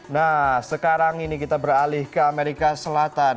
nah sekarang ini kita beralih ke amerika selatan